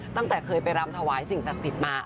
ตั้งแต่เคยไปรำถวายสิ่งศักดิ์สิทธิ์มา